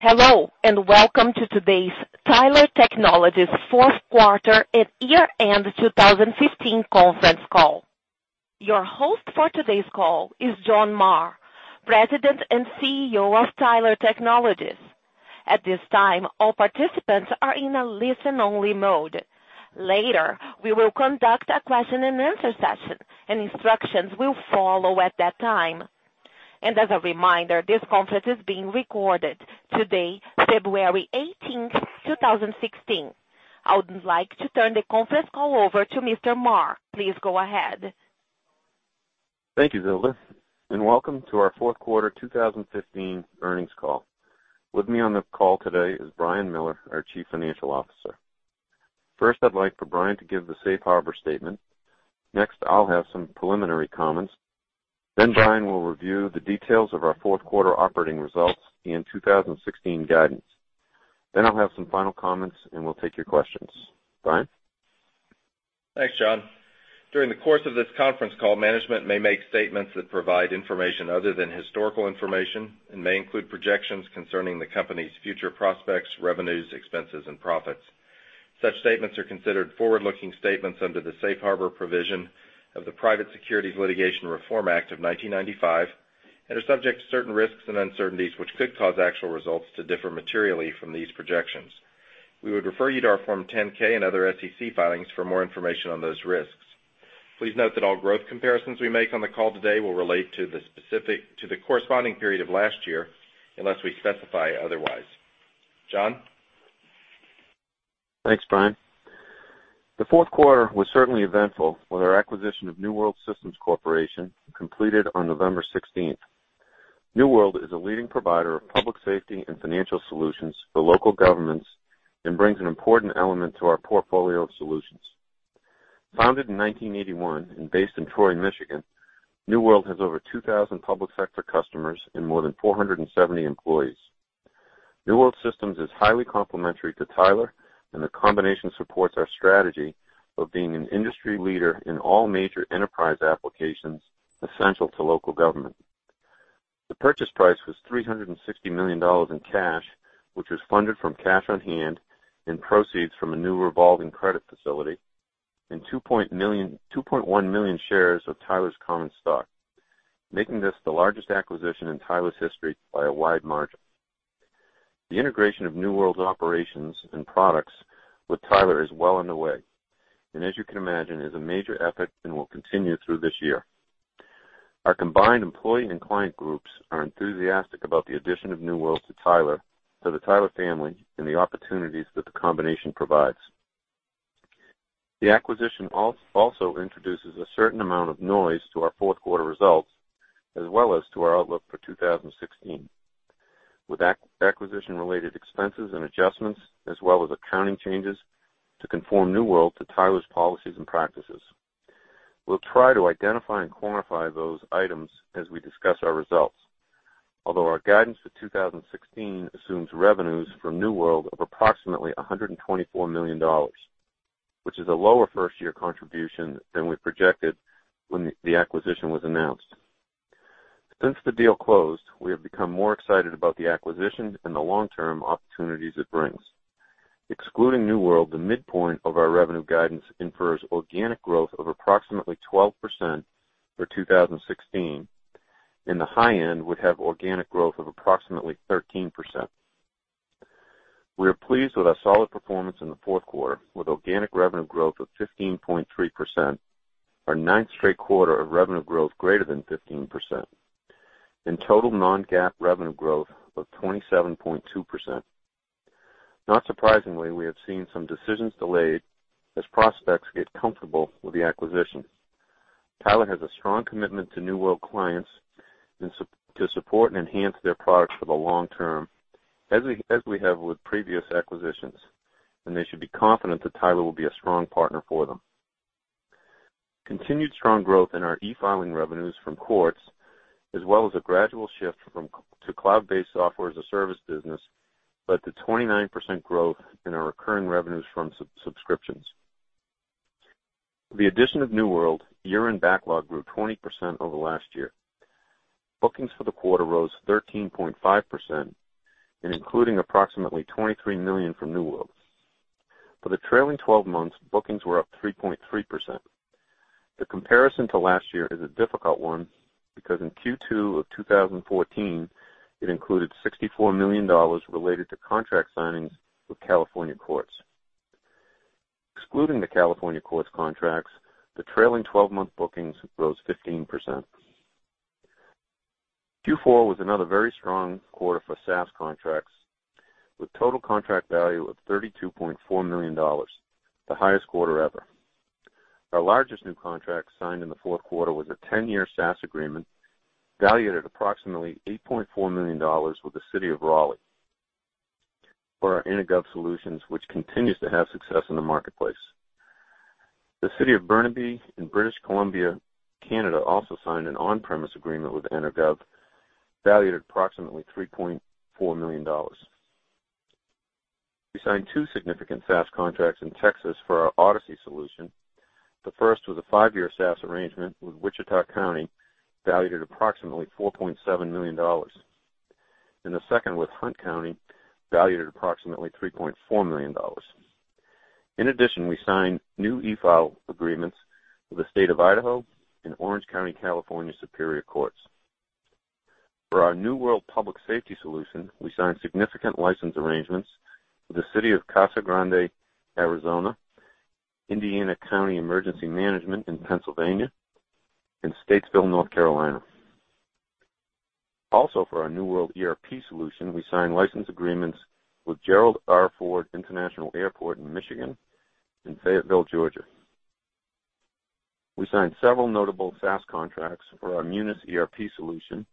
Hello, welcome to today's Tyler Technologies fourth quarter and year-end 2015 conference call. Your host for today's call is John Marr, President and CEO of Tyler Technologies. At this time, all participants are in a listen-only mode. Later, we will conduct a question and answer session. Instructions will follow at that time. As a reminder, this conference is being recorded today, February 18th, 2016. I would like to turn the conference call over to Mr. Marr. Please go ahead. Thank you, Zilda, welcome to our fourth quarter 2015 earnings call. With me on the call today is Brian Miller, our Chief Financial Officer. First, I'd like for Brian to give the safe harbor statement. Next, I'll have some preliminary comments. Brian will review the details of our fourth quarter operating results and 2016 guidance. I'll have some final comments. We'll take your questions. Brian? Thanks, John. During the course of this conference call, management may make statements that provide information other than historical information and may include projections concerning the company's future prospects, revenues, expenses, and profits. Such statements are considered forward-looking statements under the safe harbor provision of the Private Securities Litigation Reform Act of 1995 and are subject to certain risks and uncertainties which could cause actual results to differ materially from these projections. We would refer you to our Form 10-K and other SEC filings for more information on those risks. Please note that all growth comparisons we make on the call today will relate to the corresponding period of last year, unless we specify otherwise. John? Thanks, Brian. The fourth quarter was certainly eventful with our acquisition of New World Systems Corporation completed on November 16th. New World is a leading provider of public safety and financial solutions for local governments and brings an important element to our portfolio of solutions. Founded in 1981 and based in Troy, Michigan, New World has over 2,000 public sector customers and more than 470 employees. New World Systems is highly complementary to Tyler. The combination supports our strategy of being an industry leader in all major enterprise applications essential to local government. The purchase price was $360 million in cash, which was funded from cash on hand and proceeds from a new revolving credit facility, and 2.1 million shares of Tyler's common stock, making this the largest acquisition in Tyler's history by a wide margin. The integration of New World's operations and products with Tyler is well underway, and as you can imagine, is a major effort and will continue through this year. Our combined employee and client groups are enthusiastic about the addition of New World to the Tyler family and the opportunities that the combination provides. The acquisition also introduces a certain amount of noise to our fourth quarter results, as well as to our outlook for 2016, with acquisition-related expenses and adjustments, as well as accounting changes to conform New World to Tyler's policies and practices. We'll try to identify and quantify those items as we discuss our results. Although our guidance for 2016 assumes revenues from New World of approximately $124 million, which is a lower first-year contribution than we projected when the acquisition was announced. Since the deal closed, we have become more excited about the acquisition and the long-term opportunities it brings. Excluding New World, the midpoint of our revenue guidance infers organic growth of approximately 12% for 2016, and the high end would have organic growth of approximately 13%. We are pleased with our solid performance in the fourth quarter, with organic revenue growth of 15.3%, our ninth straight quarter of revenue growth greater than 15%, and total non-GAAP revenue growth of 27.2%. Not surprisingly, we have seen some decisions delayed as prospects get comfortable with the acquisition. Tyler has a strong commitment to New World clients to support and enhance their products for the long term, as we have with previous acquisitions, and they should be confident that Tyler will be a strong partner for them. Continued strong growth in our e-filing revenues from courts, as well as a gradual shift to cloud-based software as a service business, led to 29% growth in our recurring revenues from subscriptions. With the addition of New World, year-end backlog grew 20% over last year. Bookings for the quarter rose 13.5%, and including approximately $23 million from New World. For the trailing 12 months, bookings were up 3.3%. The comparison to last year is a difficult one because in Q2 of 2014, it included $64 million related to contract signings with California courts. Excluding the California courts contracts, the trailing 12-month bookings rose 15%. Q4 was another very strong quarter for SaaS contracts, with total contract value of $32.4 million, the highest quarter ever. Our largest new contract signed in the fourth quarter was a 10-year SaaS agreement valued at approximately $8.4 million with the City of Raleigh for our Intergov solutions, which continues to have success in the marketplace. The City of Burnaby in British Columbia, Canada, also signed an on-premise agreement with Intergov valued at approximately $3.4 million. We signed two significant SaaS contracts in Texas for our Odyssey solution. The first was a five-year SaaS arrangement with Wichita County, valued at approximately $4.7 million. The second, with Hunt County, valued at approximately $3.4 million. In addition, we signed new eFile agreements with the State of Idaho and Orange County California Superior Courts. For our New World Public Safety solution, we signed significant license arrangements with the City of Casa Grande, Arizona, Indiana County Emergency Management in Pennsylvania, and Statesville, North Carolina. Also, for our New World ERP solution, we signed license agreements with Gerald R. Ford International Airport in Michigan and Fayetteville, Georgia. We signed several notable SaaS contracts for our Munis ERP solution,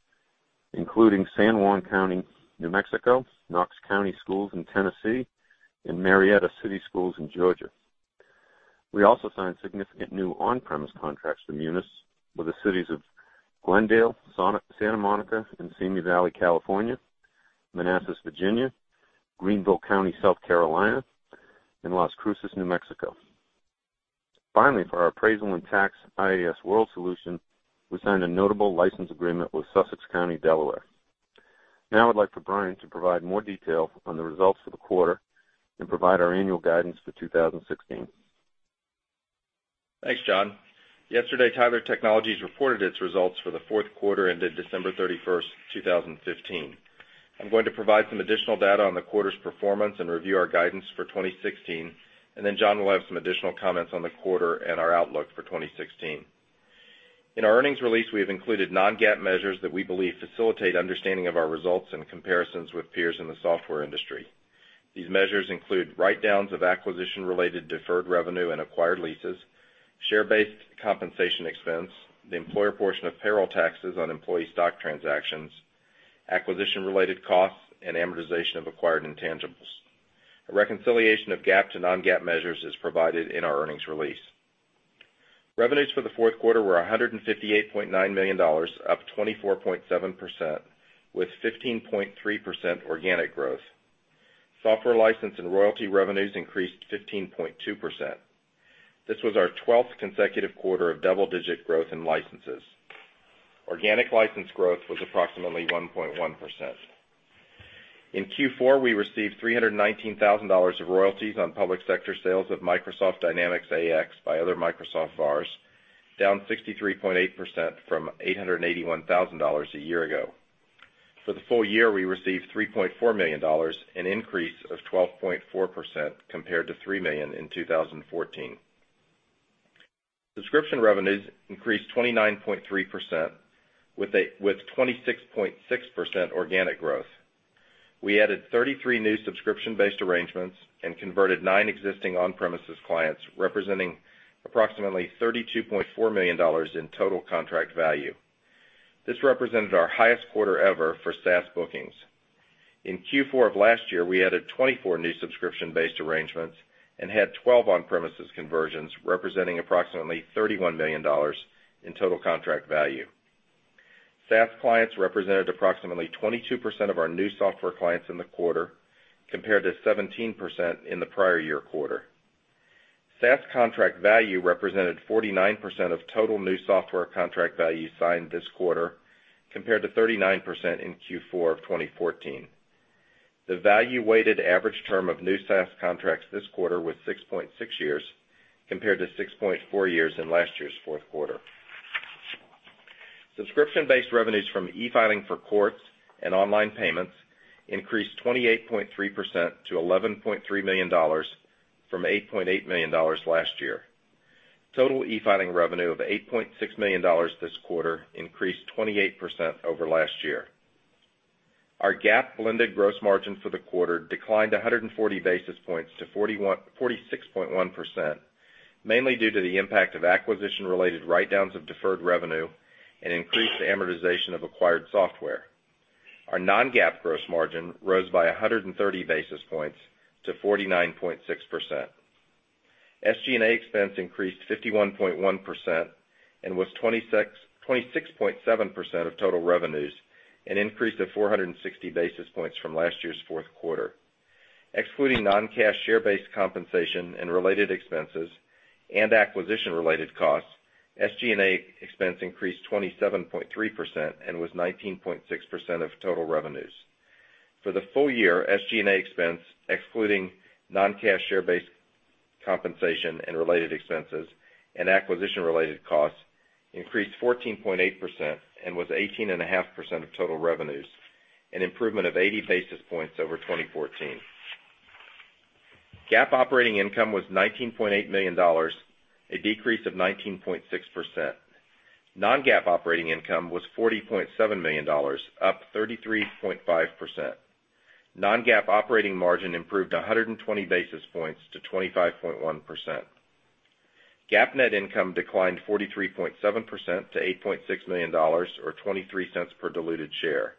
including San Juan County, New Mexico, Knox County Schools in Tennessee, and Marietta City Schools in Georgia. We also signed significant new on-premise contracts for Munis with the cities of Glendale, Santa Monica, and Simi Valley, California, Manassas, Virginia, Greenville County, South Carolina, and Las Cruces, New Mexico. Finally, for our appraisal and tax iasWorld solution, we signed a notable license agreement with Sussex County, Delaware. Now I'd like for Brian to provide more detail on the results for the quarter and provide our annual guidance for 2016. Thanks, John. Yesterday, Tyler Technologies reported its results for the fourth quarter ended December 31st, 2015. I'm going to provide some additional data on the quarter's performance and review our guidance for 2016, and then John will have some additional comments on the quarter and our outlook for 2016. In our earnings release, we have included non-GAAP measures that we believe facilitate understanding of our results and comparisons with peers in the software industry. These measures include write-downs of acquisition-related deferred revenue and acquired leases, share-based compensation expense, the employer portion of payroll taxes on employee stock transactions, acquisition-related costs, and amortization of acquired intangibles. A reconciliation of GAAP to non-GAAP measures is provided in our earnings release. Revenues for the fourth quarter were $158.9 million, up 24.7%, with 15.3% organic growth. Software license and royalty revenues increased 15.2%. This was our 12th consecutive quarter of double-digit growth in licenses. Organic license growth was approximately 1.1%. In Q4, we received $319,000 of royalties on public sector sales of Microsoft Dynamics AX by other Microsoft VARs, down 63.8% from $881,000 a year ago. For the full year, we received $3.4 million, an increase of 12.4% compared to $3 million in 2014. Subscription revenues increased 29.3% with 26.6% organic growth. We added 33 new subscription-based arrangements and converted nine existing on-premises clients, representing approximately $32.4 million in total contract value. This represented our highest quarter ever for SaaS bookings. In Q4 of last year, we added 24 new subscription-based arrangements and had 12 on-premises conversions, representing approximately $31 million in total contract value. SaaS clients represented approximately 22% of our new software clients in the quarter, compared to 17% in the prior year quarter. SaaS contract value represented 49% of total new software contract value signed this quarter, compared to 39% in Q4 of 2014. The value-weighted average term of new SaaS contracts this quarter was 6.6 years, compared to 6.4 years in last year's fourth quarter. Subscription-based revenues from e-filing for courts and online payments increased 28.3% to $11.3 million from $8.8 million last year. Total e-filing revenue of $8.6 million this quarter increased 28% over last year. Our GAAP blended gross margin for the quarter declined 140 basis points to 46.1%, mainly due to the impact of acquisition-related write-downs of deferred revenue and increased amortization of acquired software. Our non-GAAP gross margin rose by 130 basis points to 49.6%. SG&A expense increased 51.1% and was 26.7% of total revenues, an increase of 460 basis points from last year's fourth quarter. Excluding non-cash share-based compensation and related expenses and acquisition-related costs, SG&A expense increased 27.3% and was 19.6% of total revenues. For the full year, SG&A expense, excluding non-cash share-based compensation and related expenses and acquisition-related costs, increased 14.8% and was 18.5% of total revenues, an improvement of 80 basis points over 2014. GAAP operating income was $19.8 million, a decrease of 19.6%. Non-GAAP operating income was $40.7 million, up 33.5%. Non-GAAP operating margin improved 120 basis points to 25.1%. GAAP net income declined 43.7% to $8.6 million, or $0.23 per diluted share.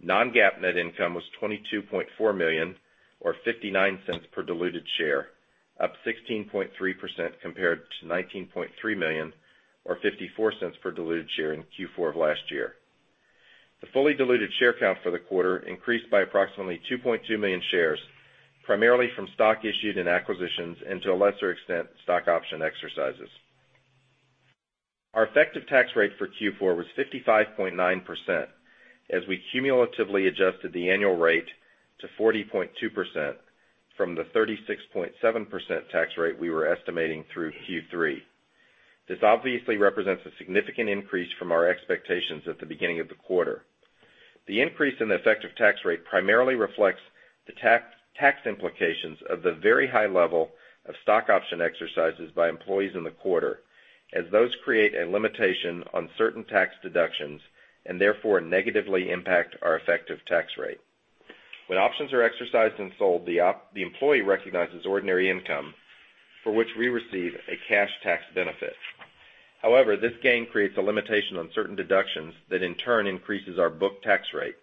Non-GAAP net income was $22.4 million or $0.59 per diluted share, up 16.3% compared to $19.3 million or $0.54 per diluted share in Q4 of last year. The fully diluted share count for the quarter increased by approximately 2.2 million shares, primarily from stock issued in acquisitions, and to a lesser extent, stock option exercises. Our effective tax rate for Q4 was 55.9% as we cumulatively adjusted the annual rate to 40.2% from the 36.7% tax rate we were estimating through Q3. This obviously represents a significant increase from our expectations at the beginning of the quarter. The increase in the effective tax rate primarily reflects the tax implications of the very high level of stock option exercises by employees in the quarter, as those create a limitation on certain tax deductions. Therefore, negatively impact our effective tax rate. When options are exercised and sold, the employee recognizes ordinary income for which we receive a cash tax benefit. However, this gain creates a limitation on certain deductions that in turn increases our book tax rate.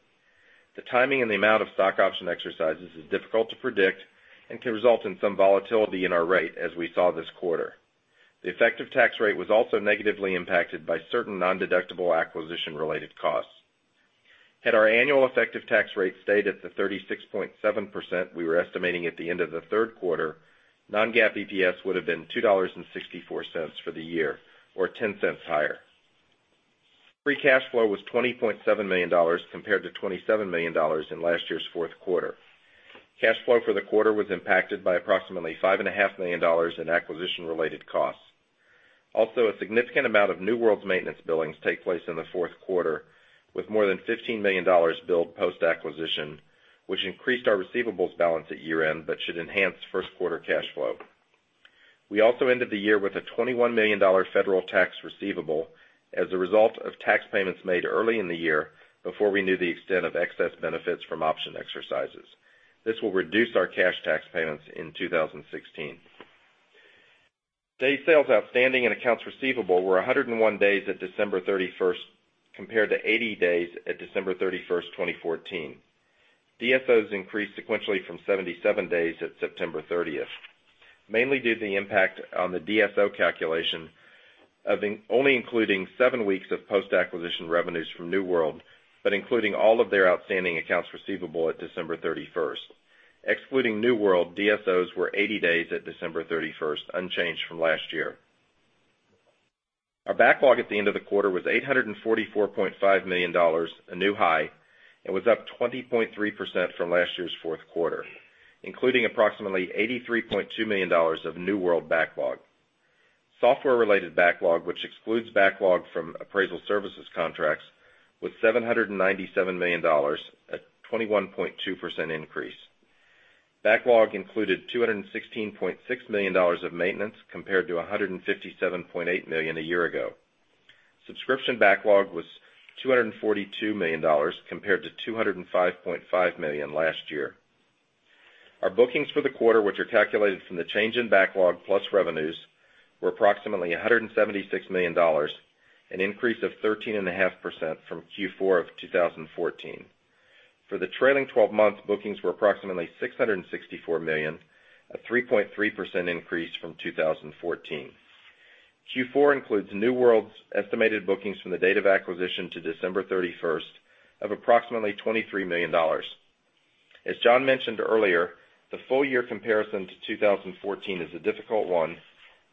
The timing and the amount of stock option exercises is difficult to predict and can result in some volatility in our rate as we saw this quarter. The effective tax rate was also negatively impacted by certain non-deductible acquisition-related costs. Had our annual effective tax rate stayed at the 36.7% we were estimating at the end of the third quarter, non-GAAP EPS would've been $2.64 for the year, or $0.10 higher. Free cash flow was $20.7 million compared to $27 million in last year's fourth quarter. Cash flow for the quarter was impacted by approximately $5.5 million in acquisition-related costs. Also, a significant amount of New World's maintenance billings take place in the fourth quarter, with more than $15 million billed post-acquisition, which increased our receivables balance at year-end but should enhance first quarter cash flow. We also ended the year with a $21 million federal tax receivable as a result of tax payments made early in the year before we knew the extent of excess benefits from option exercises. This will reduce our cash tax payments in 2016. Days Sales Outstanding and accounts receivable were 101 days at December 31st, compared to 80 days at December 31st, 2014. DSOs increased sequentially from 77 days at September 30th, mainly due to the impact on the DSO calculation of only including seven weeks of post-acquisition revenues from New World, but including all of their outstanding accounts receivable at December 31st. Excluding New World, DSOs were 80 days at December 31st, unchanged from last year. Our backlog at the end of the quarter was $844.5 million, a new high, and was up 20.3% from last year's fourth quarter, including approximately $83.2 million of New World backlog. Software-related backlog, which excludes backlog from appraisal services contracts, was $797 million, a 21.2% increase. Backlog included $216.6 million of maintenance compared to $157.8 million a year ago. Subscription backlog was $242 million compared to $205.5 million last year. Our bookings for the quarter, which are calculated from the change in backlog plus revenues, were approximately $176 million, an increase of 13.5% from Q4 of 2014. For the trailing 12 months, bookings were approximately $664 million, a 3.3% increase from 2014. Q4 includes New World's estimated bookings from the date of acquisition to December 31st of approximately $23 million. As John mentioned earlier, the full year comparison to 2014 is a difficult one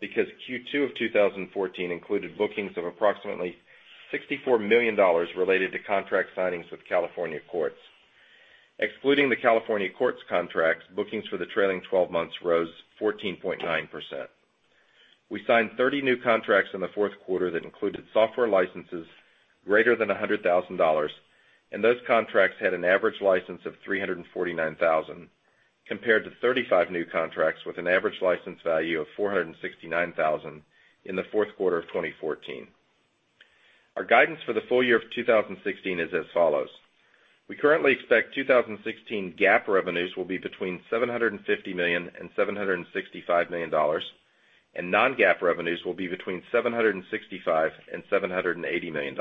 because Q2 of 2014 included bookings of approximately $64 million related to contract signings with California courts. Excluding the California courts contracts, bookings for the trailing 12 months rose 14.9%. We signed 30 new contracts in the fourth quarter that included software licenses greater than $100,000. Those contracts had an average license of $349,000, compared to 35 new contracts with an average license value of $469,000 in the fourth quarter of 2014. Our guidance for the full year of 2016 is as follows. We currently expect 2016 GAAP revenues will be between $750 million and $765 million. Non-GAAP revenues will be between $765 million and $780 million.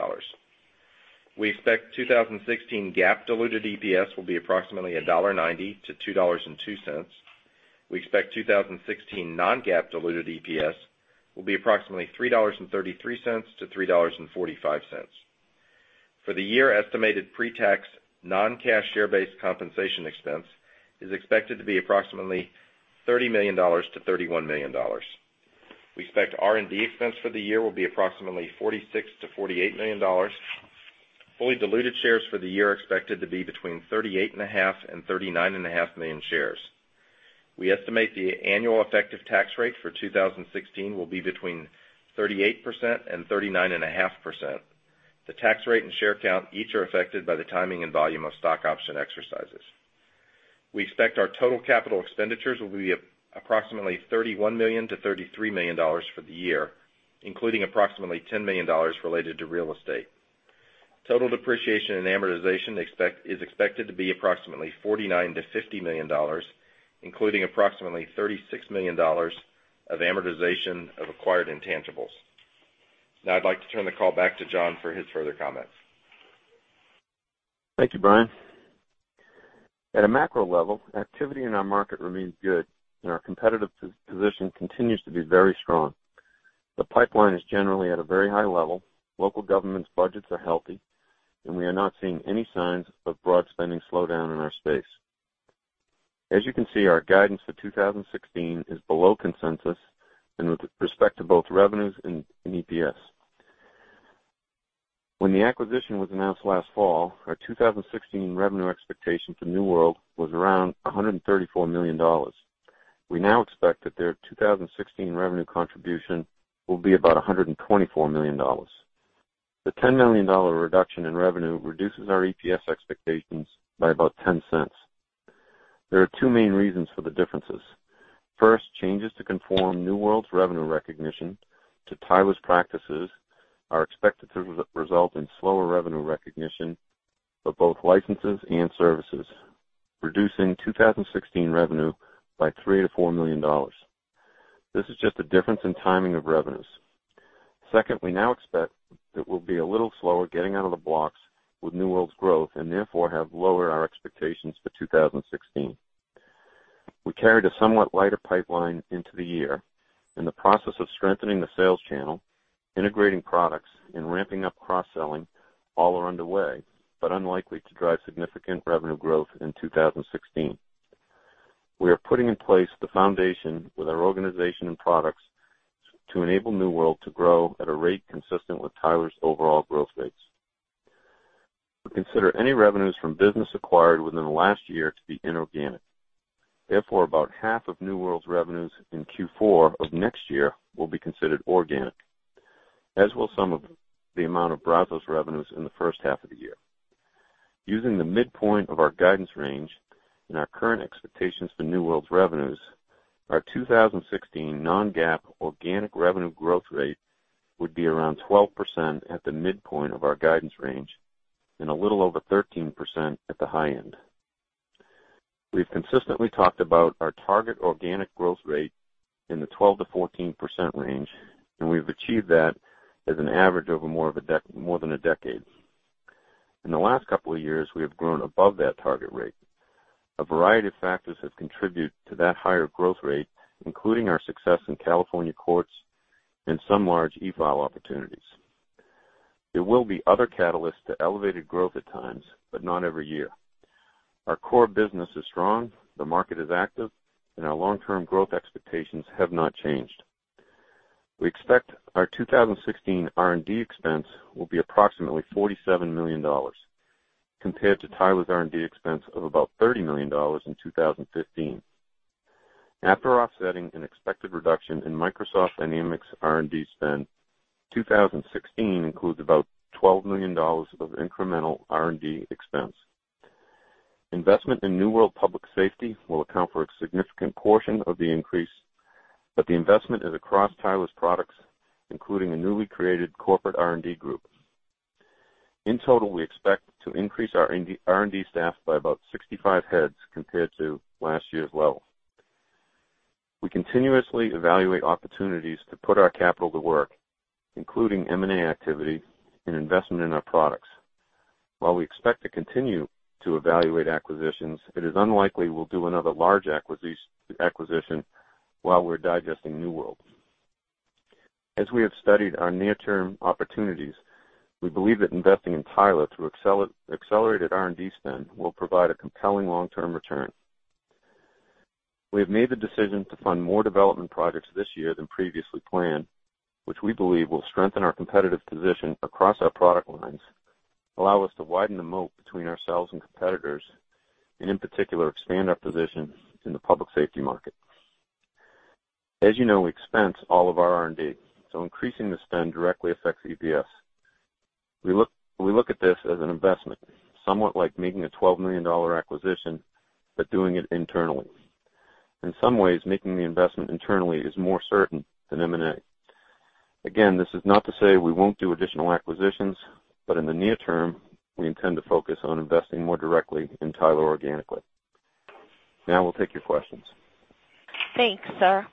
We expect 2016 GAAP diluted EPS will be approximately $1.90 to $2.02. We expect 2016 non-GAAP diluted EPS will be approximately $3.33 to $3.45. For the year, estimated pre-tax non-cash share-based compensation expense is expected to be approximately $30 million to $31 million. We expect R&D expense for the year will be approximately $46 million to $48 million. Fully diluted shares for the year are expected to be between 38.5 and 39.5 million shares. We estimate the annual effective tax rate for 2016 will be between 38% and 39.5%. The tax rate and share count each are affected by the timing and volume of stock option exercises. We expect our total capital expenditures will be approximately $31 million to $33 million for the year, including approximately $10 million related to real estate. Total depreciation and amortization is expected to be approximately $49 million to $50 million, including approximately $36 million of amortization of acquired intangibles. I'd like to turn the call back to John for his further comments. Thank you, Brian. At a macro level, activity in our market remains good and our competitive position continues to be very strong. The pipeline is generally at a very high level, local governments' budgets are healthy, and we are not seeing any signs of broad spending slowdown in our space. As you can see, our guidance for 2016 is below consensus and with respect to both revenues and EPS. When the acquisition was announced last fall, our 2016 revenue expectation for New World was around $134 million. We now expect that their 2016 revenue contribution will be about $124 million. The $10 million reduction in revenue reduces our EPS expectations by about $0.10. There are two main reasons for the differences. First, changes to conform New World's revenue recognition to Tyler's practices are expected to result in slower revenue recognition for both licenses and services, reducing 2016 revenue by $3 million-$4 million. This is just a difference in timing of revenues. Second, we now expect that we'll be a little slower getting out of the blocks with New World's growth and therefore have lowered our expectations for 2016. We carried a somewhat lighter pipeline into the year in the process of strengthening the sales channel, integrating products and ramping up cross-selling, all are underway but unlikely to drive significant revenue growth in 2016. We are putting in place the foundation with our organization and products to enable New World to grow at a rate consistent with Tyler's overall growth rates. We consider any revenues from business acquired within the last year to be inorganic. About half of New World's revenues in Q4 of next year will be considered organic, as will some of the amount of Brazos revenues in the first half of the year. Using the midpoint of our guidance range and our current expectations for New World's revenues, our 2016 non-GAAP organic revenue growth rate would be around 12% at the midpoint of our guidance range and a little over 13% at the high end. We've consistently talked about our target organic growth rate in the 12%-14% range, and we've achieved that as an average over more than a decade. In the last couple of years, we have grown above that target rate. A variety of factors have contributed to that higher growth rate, including our success in California courts and some large eFile opportunities. There will be other catalysts to elevated growth at times, but not every year. Our core business is strong, the market is active, and our long-term growth expectations have not changed. We expect our 2016 R&D expense will be approximately $47 million, compared to Tyler's R&D expense of about $30 million in 2015. After offsetting an expected reduction in Microsoft Dynamics R&D spend, 2016 includes about $12 million of incremental R&D expense. Investment in New World Public Safety will account for a significant portion of the increase, but the investment is across Tyler's products, including a newly created corporate R&D group. In total, we expect to increase our R&D staff by about 65 heads compared to last year's level. We continuously evaluate opportunities to put our capital to work, including M&A activity and investment in our products. While we expect to continue to evaluate acquisitions, it is unlikely we'll do another large acquisition while we're digesting New World. As we have studied our near-term opportunities, we believe that investing in Tyler through accelerated R&D spend will provide a compelling long-term return. We have made the decision to fund more development projects this year than previously planned, which we believe will strengthen our competitive position across our product lines, allow us to widen the moat between ourselves and competitors, and in particular, expand our position in the public safety market. As you know, we expense all of our R&D, so increasing the spend directly affects EPS. We look at this as an investment, somewhat like making a $12 million acquisition, but doing it internally. In some ways, making the investment internally is more certain than M&A. Again, this is not to say we won't do additional acquisitions, but in the near term, we intend to focus on investing more directly in Tyler organically. Now we'll take your questions. Thanks, sir.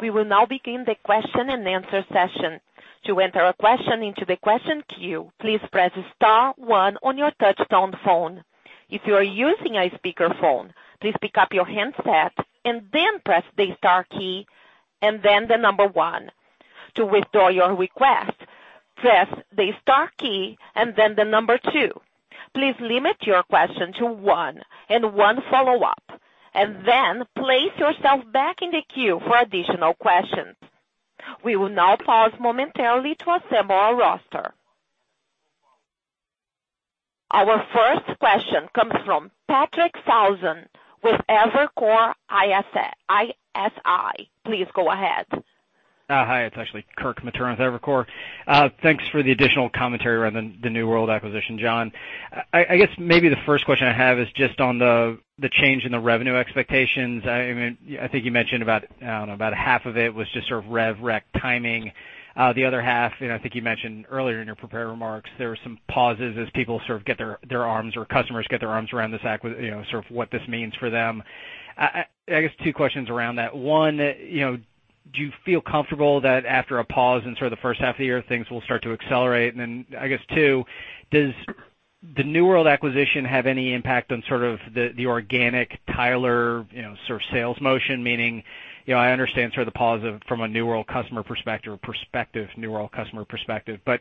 We will now begin the question and answer session. To enter a question into the question queue, please press star one on your touch-tone phone. If you are using a speakerphone, please pick up your handset and then press the star key and then the number one. To withdraw your request, press the star key and then the number two. Please limit your question to one and one follow-up, and then place yourself back in the queue for additional questions. We will now pause momentarily to assemble our roster. Our first question comes from Kirk Materna with Evercore ISI. Please go ahead. Hi, it's actually Kirk Materna with Evercore. Thanks for the additional commentary around the New World acquisition, John. I guess maybe the first question I have is just on the change in the revenue expectations. I think you mentioned about, I don't know, about half of it was just sort of rev rec timing. The other half, I think you mentioned earlier in your prepared remarks, there were some pauses as people sort of get their arms or customers get their arms around this sort of what this means for them. I guess two questions around that. One- Do you feel comfortable that after a pause in the first half of the year, things will start to accelerate? I guess two, does the New World acquisition have any impact on the organic Tyler sales motion? Meaning, I understand the pause from a New World customer perspective, but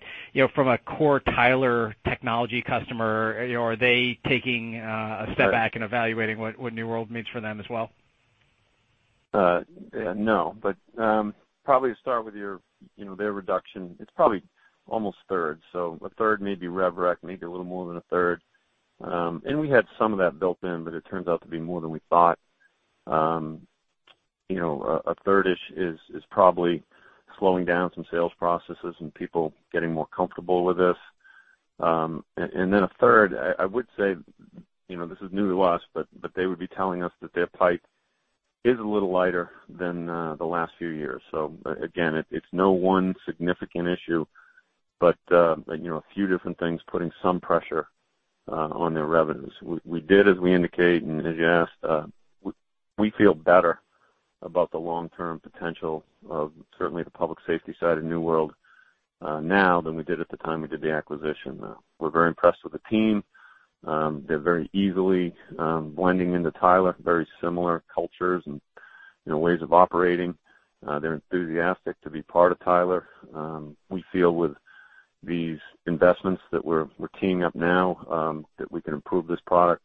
from a core Tyler Technology customer, are they taking a step back and evaluating what New World means for them as well? No, probably to start with their reduction, it's probably almost a third. A third may be rev rec, maybe a little more than a third. We had some of that built in, but it turns out to be more than we thought. A third-ish is probably slowing down some sales processes and people getting more comfortable with this. A third, I would say, this is new to us, but they would be telling us that their pipe is a little lighter than the last few years. Again, it's no one significant issue, but a few different things putting some pressure on their revenues. We did as we indicate, and as you asked, we feel better about the long-term potential of certainly the public safety side of New World now than we did at the time we did the acquisition. We're very impressed with the team. They're very easily blending into Tyler, very similar cultures and ways of operating. They're enthusiastic to be part of Tyler. We feel with these investments that we're teeing up now, that we can improve this product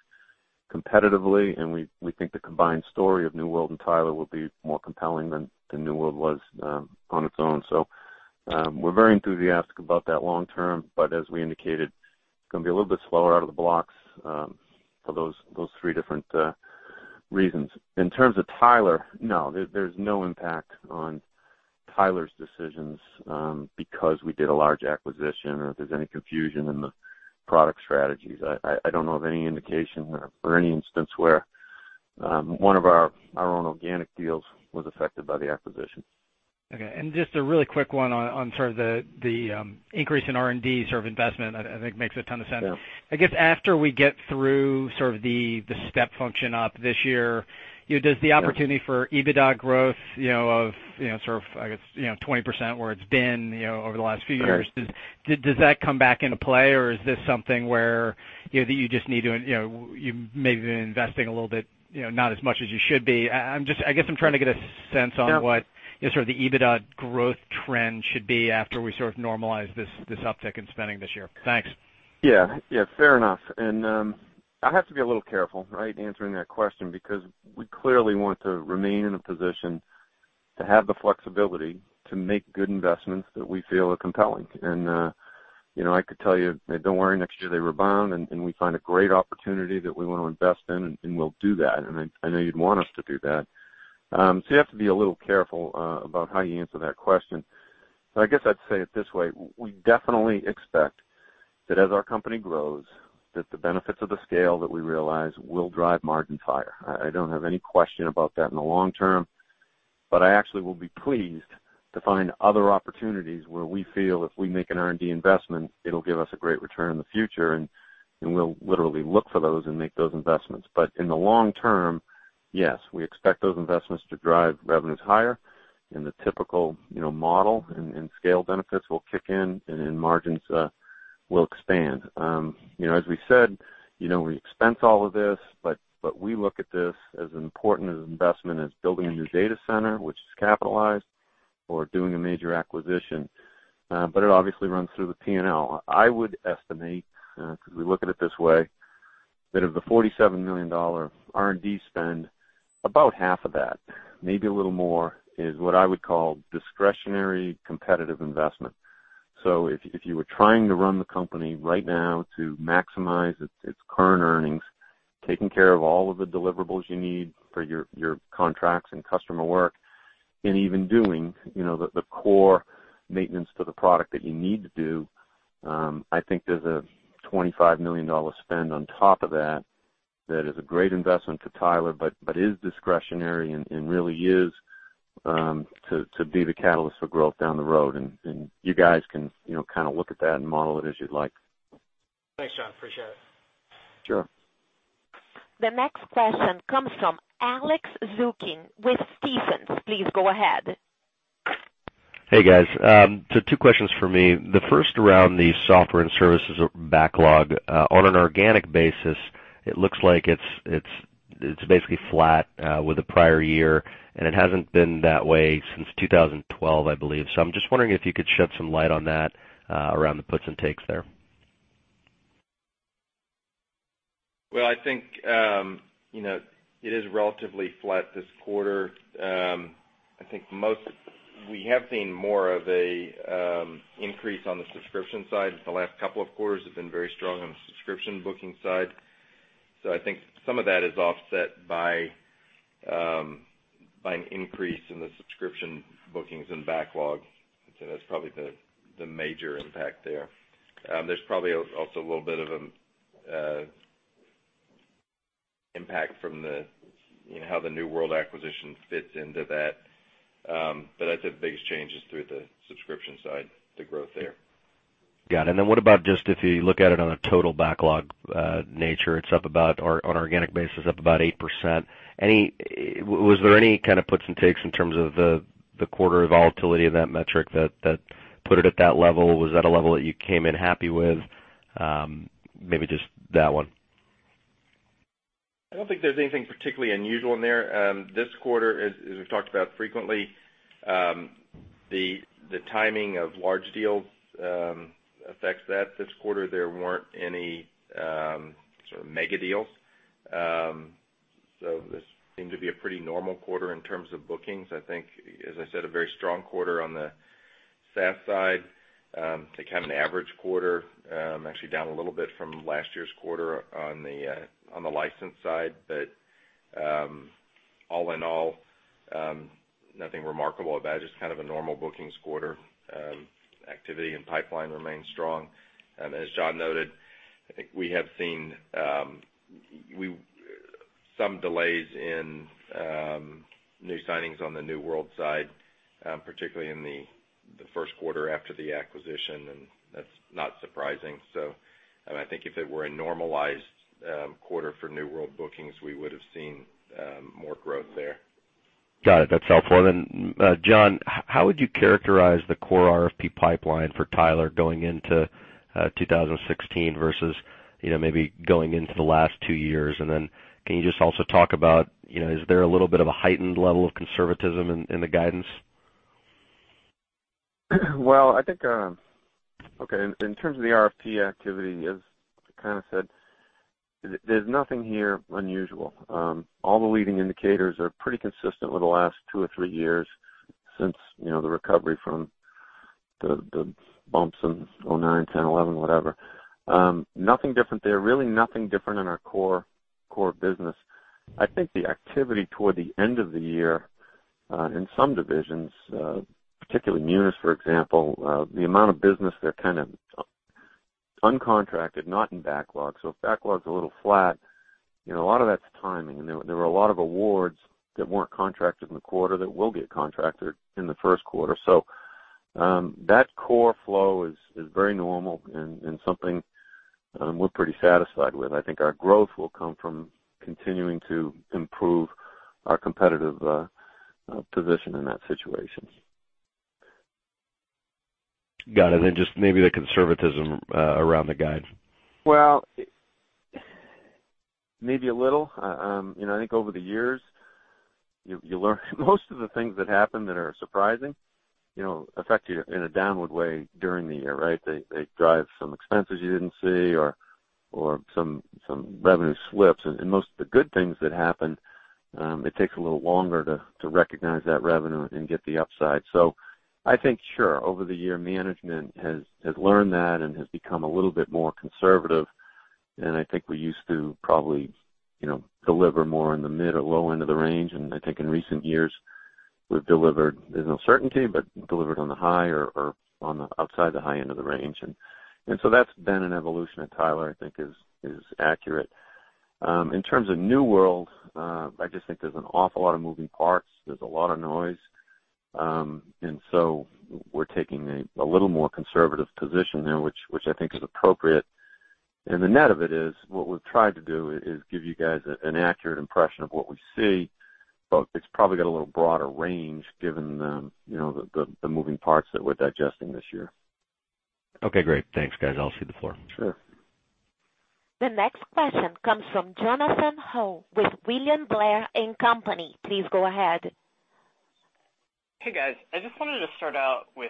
competitively, and we think the combined story of New World and Tyler will be more compelling than New World was on its own. We're very enthusiastic about that long term, but as we indicated, it's going to be a little bit slower out of the blocks for those three different reasons. In terms of Tyler, no, there's no impact on Tyler's decisions because we did a large acquisition or if there's any confusion in the product strategies. I don't know of any indication or any instance where one of our own organic deals was affected by the acquisition. Okay. Just a really quick one on the increase in R&D investment, I think makes a ton of sense. Yeah. I guess after we get through the step function up this year, does the opportunity for EBITDA growth of, I guess, 20% where it's been over the last few years, does that come back into play or is this something where you maybe have been investing a little bit, not as much as you should be? I guess I'm trying to get a sense on what the EBITDA growth trend should be after we normalize this uptick in spending this year. Thanks. Yeah. Fair enough. I have to be a little careful, right, answering that question because we clearly want to remain in a position to have the flexibility to make good investments that we feel are compelling. I could tell you, "Don't worry, next year they rebound," and we find a great opportunity that we want to invest in, and we'll do that. I know you'd want us to do that. You have to be a little careful about how you answer that question. I guess I'd say it this way, we definitely expect that as our company grows, that the benefits of the scale that we realize will drive margin higher. I don't have any question about that in the long term, I actually will be pleased to find other opportunities where we feel if we make an R&D investment, it'll give us a great return in the future, and we'll literally look for those and make those investments. In the long term, yes, we expect those investments to drive revenues higher and the typical model and scale benefits will kick in, and margins will expand. As we said, we expense all of this, but we look at this as important of an investment as building a new data center, which is capitalized or doing a major acquisition. It obviously runs through the P&L. I would estimate, because we look at it this way, that of the $47 million R&D spend, about half of that, maybe a little more, is what I would call discretionary competitive investment. If you were trying to run the company right now to maximize its current earnings, taking care of all of the deliverables you need for your contracts and customer work, and even doing the core maintenance to the product that you need to do, I think there's a $25 million spend on top of that is a great investment to Tyler, but is discretionary and really is to be the catalyst for growth down the road. You guys can look at that and model it as you'd like. Thanks, John. Appreciate it. Sure. The next question comes from Alex Zukin with Stephens. Please go ahead. Hey, guys. Two questions for me. The first around the software and services backlog. On an organic basis, it looks like it's basically flat with the prior year, and it hasn't been that way since 2012, I believe. I'm just wondering if you could shed some light on that, around the puts and takes there. Well, I think it is relatively flat this quarter. I think we have seen more of an increase on the subscription side. The last couple of quarters have been very strong on the subscription booking side. I think some of that is offset by an increase in the subscription bookings and backlog. I'd say that's probably the major impact there. There's probably also a little bit of an impact from how the New World acquisition fits into that. I'd say the biggest change is through the subscription side, the growth there. Got it. What about just if you look at it on a total backlog nature, it's up about, on organic basis, up about 8%. Was there any kind of puts and takes in terms of the quarter volatility of that metric that put it at that level? Was that a level that you came in happy with? Maybe just that one. I don't think there's anything particularly unusual in there. This quarter, as we've talked about frequently, the timing of large deals affects that. This quarter, there weren't any sort of mega deals. This seemed to be a pretty normal quarter in terms of bookings. I think, as I said, a very strong quarter on the SaaS side. I think an average quarter, actually down a little bit from last year's quarter on the license side. All in all, nothing remarkable about it, just kind of a normal bookings quarter. Activity and pipeline remain strong. As John noted, I think we have seen some delays in new signings on the New World side, particularly in the first quarter after the acquisition, and that's not surprising. I think if it were a normalized quarter for New World bookings, we would've seen more growth there. Got it. That's helpful. John, how would you characterize the core RFP pipeline for Tyler going into 2016 versus maybe going into the last two years? Can you just also talk about, is there a little bit of a heightened level of conservatism in the guidance? Well, I think, okay, in terms of the RFP activity, as I kind of said, there's nothing here unusual. All the leading indicators are pretty consistent with the last two or three years since the recovery from the bumps in 2009, 2010, 2011, whatever. Nothing different there, really nothing different in our core business. I think the activity toward the end of the year, in some divisions, particularly Munis, for example, the amount of business they're kind of uncontracted, not in backlog. If backlog's a little flat, a lot of that's timing. There were a lot of awards that weren't contracted in the quarter that will get contracted in the first quarter. That core flow is very normal and something we're pretty satisfied with. I think our growth will come from continuing to improve our competitive position in that situation. Got it. Just maybe the conservatism around the guides. Well, maybe a little. I think over the years, you learn most of the things that happen that are surprising, affect you in a downward way during the year, right? They drive some expenses you didn't see or some revenue slips. Most of the good things that happen, it takes a little longer to recognize that revenue and get the upside. I think, sure, over the year, management has learned that and has become a little bit more conservative. I think we used to probably deliver more in the mid or low end of the range. I think in recent years we've delivered, there's no certainty, but delivered on the high or on the outside the high end of the range. That's been an evolution at Tyler, I think is accurate. In terms of New World, I just think there's an awful lot of moving parts. There's a lot of noise. We're taking a little more conservative position there, which I think is appropriate. The net of it is, what we've tried to do is give you guys an accurate impression of what we see, but it's probably got a little broader range given the moving parts that we're digesting this year. Okay, great. Thanks, guys. I'll cede the floor. Sure. The next question comes from Jonathan Ho with William Blair & Company. Please go ahead. Hey, guys. I just wanted to start out with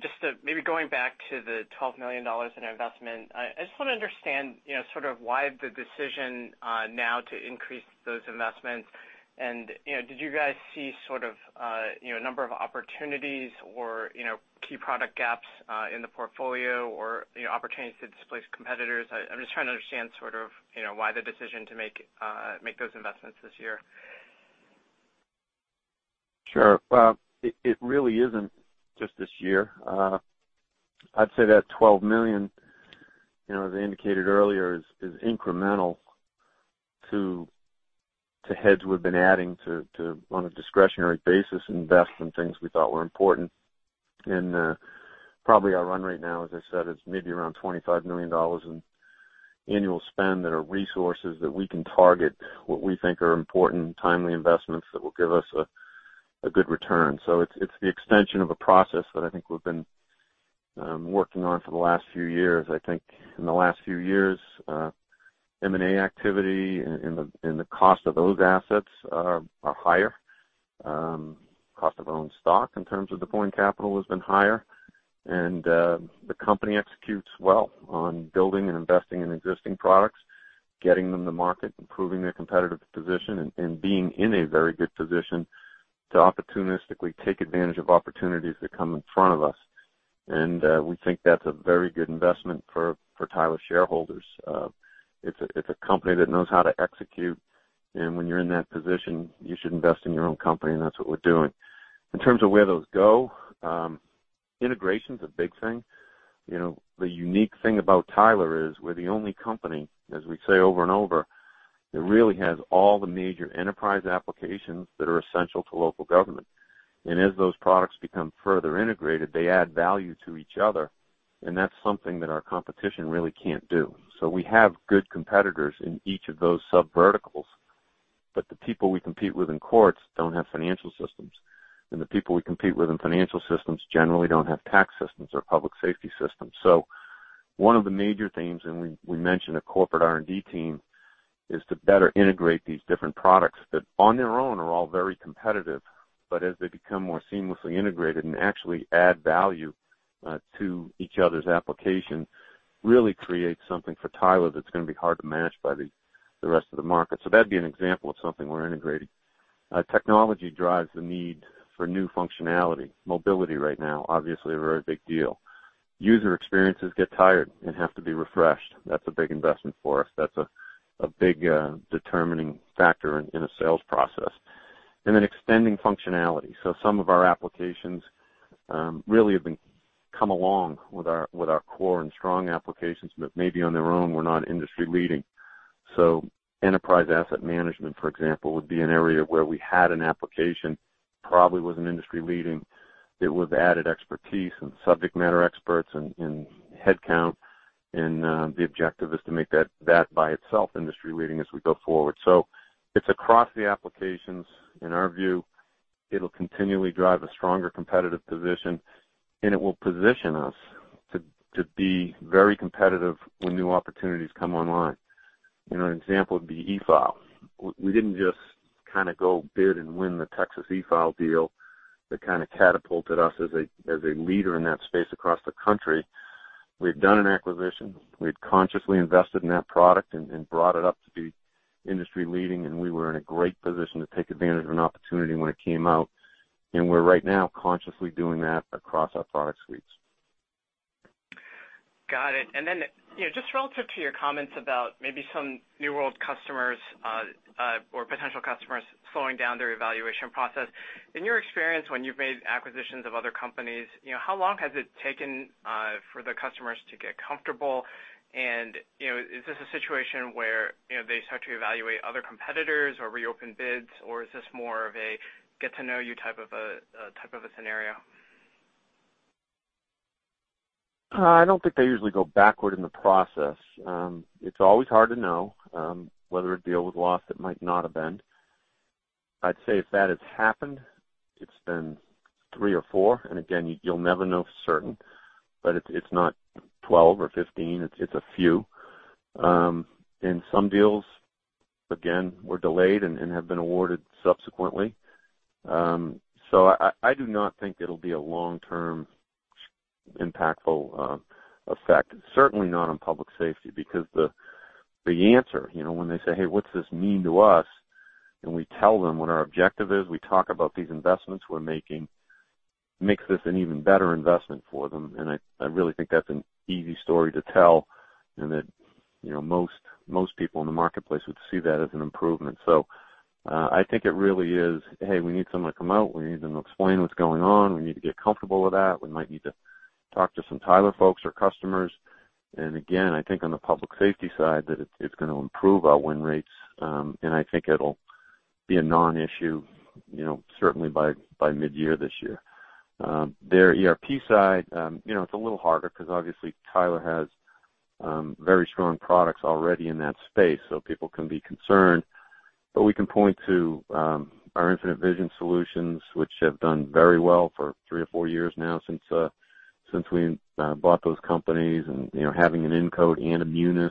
just maybe going back to the $12 million in investment. I just want to understand why the decision now to increase those investments. Did you guys see a number of opportunities or key product gaps in the portfolio or opportunities to displace competitors? I'm just trying to understand why the decision to make those investments this year. Sure. It really isn't just this year. I'd say that $12 million, as I indicated earlier, is incremental to heads we've been adding on a discretionary basis, invest in things we thought were important. Probably our run rate now, as I said, is maybe around $25 million in annual spend that are resources that we can target what we think are important, timely investments that will give us a good return. It's the extension of a process that I think we've been working on for the last few years. I think in the last few years, M&A activity and the cost of those assets are higher. Cost of our own stock in terms of deploying capital has been higher. The company executes well on building and investing in existing products, getting them to market, improving their competitive position, and being in a very good position to opportunistically take advantage of opportunities that come in front of us. We think that's a very good investment for Tyler shareholders. It's a company that knows how to execute, and when you're in that position, you should invest in your own company, and that's what we're doing. In terms of where those go, integration's a big thing. The unique thing about Tyler is we're the only company, as we say over and over, that really has all the major enterprise applications that are essential to local government. As those products become further integrated, they add value to each other, and that's something that our competition really can't do. We have good competitors in each of those subverticals, but the people we compete with in courts don't have financial systems, and the people we compete with in financial systems generally don't have tax systems or public safety systems. One of the major themes, and we mentioned a corporate R&D team, is to better integrate these different products that on their own are all very competitive, but as they become more seamlessly integrated and actually add value to each other's application, really creates something for Tyler that's going to be hard to match by the rest of the market. That'd be an example of something we're integrating. Technology drives the need for new functionality. Mobility right now, obviously a very big deal. User experiences get tired and have to be refreshed. That's a big investment for us. That's a big determining factor in a sales process. Then extending functionality. Some of our applications really have come along with our core and strong applications that maybe on their own were not industry-leading. Enterprise asset management, for example, would be an area where we had an application, probably wasn't industry-leading. It was added expertise and subject matter experts and headcount, and the objective is to make that by itself industry-leading as we go forward. It's across the applications. In our view, it'll continually drive a stronger competitive position, and it will position us to be very competitive when new opportunities come online. An example would be eFile. We didn't just go bid and win the Texas eFile deal that catapulted us as a leader in that space across the country. We had done an acquisition. We had consciously invested in that product and brought it up to be industry-leading, we were in a great position to take advantage of an opportunity when it came out, we are right now consciously doing that across our product suites. Got it. Then, just relative to your comments about maybe some New World customers or potential customers slowing down their evaluation process. In your experience, when you have made acquisitions of other companies, how long has it taken for the customers to get comfortable, and is this a situation where they start to evaluate other competitors or reopen bids, or is this more of a get-to-know-you type of a scenario? I don't think they usually go backward in the process. It's always hard to know whether a deal was lost that might not have been. I'd say if that has happened, it's been three or four, and again, you'll never know for certain, but it's not 12 or 15. It's a few. Some deals, again, were delayed and have been awarded subsequently. I do not think it'll be a long-term impactful effect, certainly not on public safety, because the answer, when they say, "Hey, what's this mean to us?" We tell them what our objective is, we talk about these investments we're making, makes this an even better investment for them, and I really think that's an easy story to tell, and that most people in the marketplace would see that as an improvement. I think it really is, hey, we need someone to come out, we need them to explain what's going on. We need to get comfortable with that. We might need to talk to some Tyler folks or customers. Again, I think on the public safety side, that it's going to improve our win rates. I think it'll be a non-issue certainly by mid-year this year. Their ERP side, it's a little harder because obviously Tyler has very strong products already in that space, so people can be concerned. We can point to our Infinite Visions solutions, which have done very well for three or four years now since we bought those companies and having an Incode and iNovah.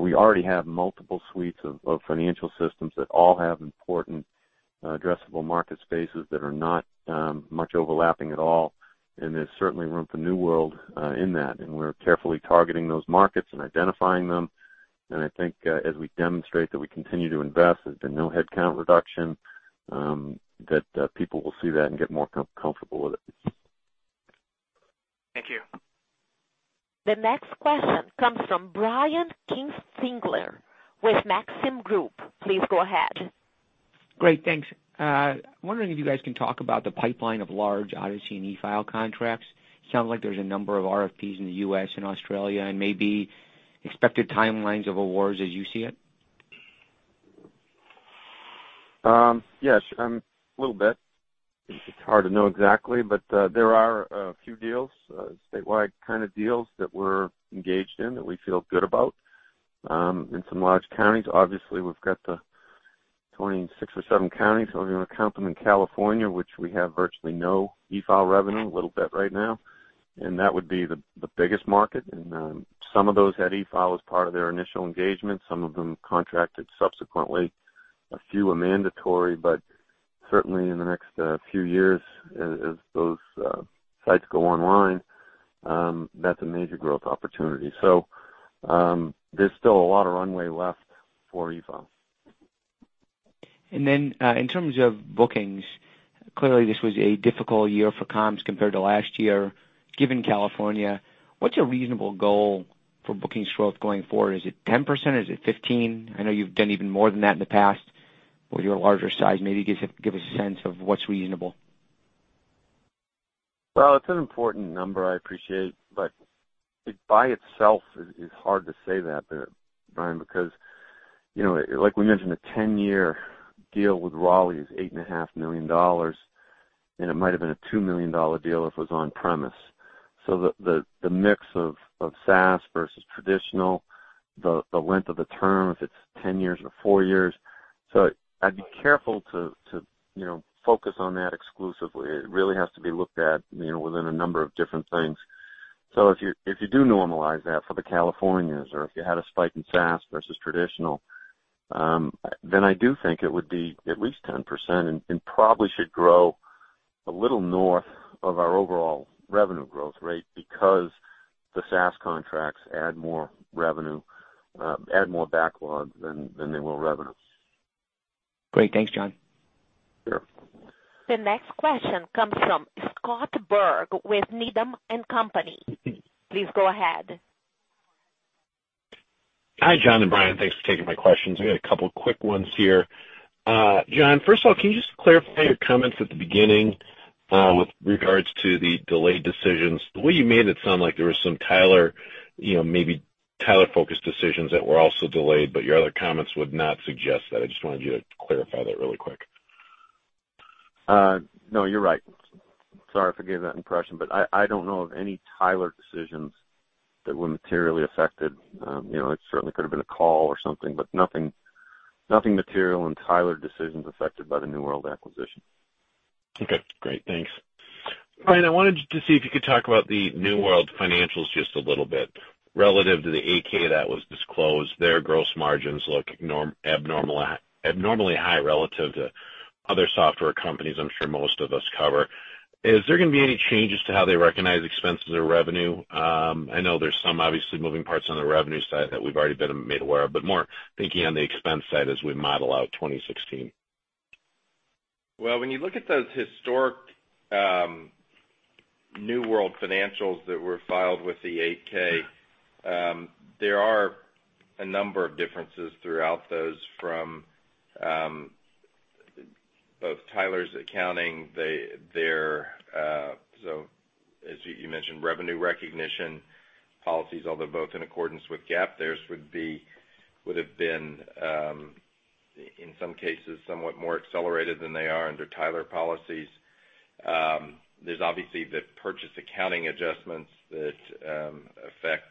We already have multiple suites of financial systems that all have important addressable market spaces that are not much overlapping at all, and there's certainly room for New World in that, and we're carefully targeting those markets and identifying them. I think as we demonstrate that we continue to invest, there's been no headcount reduction, that people will see that and get more comfortable with it. Thank you. The next question comes from Brian Kinstlinger with Maxim Group. Please go ahead. Great. Thanks. Wondering if you guys can talk about the pipeline of large Odyssey and eFile contracts. Sounds like there's a number of RFPs in the U.S. and Australia, and maybe expected timelines of awards as you see it. Yes, a little bit. It's hard to know exactly, but there are a few deals, statewide kind of deals that we're engaged in that we feel good about in some large counties. Obviously, we've got the 26 or 27 counties, if you want to count them in California, which we have virtually no e-file revenue, a little bit right now. That would be the biggest market, and some of those had e-file as part of their initial engagement. Some of them contracted subsequently. A few are mandatory, but certainly in the next few years, as those sites go online, that's a major growth opportunity. There's still a lot of runway left for e-file. In terms of bookings, clearly this was a difficult year for comms compared to last year. Given California, what's a reasonable goal for bookings growth going forward? Is it 10%? Is it 15%? I know you've done even more than that in the past. With your larger size, maybe give us a sense of what's reasonable. It's an important number, I appreciate. By itself, it's hard to say that, Brian, because like we mentioned, a 10-year deal with Raleigh is $8.5 million, and it might've been a $2 million deal if it was on-premise. The mix of SaaS versus traditional, the length of the term, if it's 10 years or four years. I'd be careful to focus on that exclusively. It really has to be looked at within a number of different things. If you do normalize that for the Californias or if you had a spike in SaaS versus traditional, then I do think it would be at least 10% and probably should grow a little north of our overall revenue growth rate because the SaaS contracts add more backlog than they will revenue. Great. Thanks, John. Sure. The next question comes from Scott Berg with Needham & Company. Please go ahead. Hi, John and Brian. Thanks for taking my questions. I got a couple quick ones here. John, first of all, can you just clarify your comments at the beginning, with regards to the delayed decisions. The way you made it sound like there was some maybe Tyler-focused decisions that were also delayed, but your other comments would not suggest that. I just wanted you to clarify that really quick. No, you're right. Sorry if I gave that impression, but I don't know of any Tyler decisions that were materially affected. It certainly could have been a call or something, but nothing material in Tyler decisions affected by the New World acquisition. Okay, great. Thanks. Brian, I wanted to see if you could talk about the New World financials just a little bit. Relative to the 8-K that was disclosed, their gross margins look abnormally high relative to other software companies I'm sure most of us cover. Is there gonna be any changes to how they recognize expenses or revenue? I know there's some obviously moving parts on the revenue side that we've already been made aware of, but more thinking on the expense side as we model out 2016. When you look at those historic New World financials that were filed with the 8-K, there are a number of differences throughout those from both Tyler's accounting, their, as you mentioned, revenue recognition policies, although both in accordance with GAAP, theirs would've been, in some cases, somewhat more accelerated than they are under Tyler policies. There's obviously the purchase accounting adjustments that affect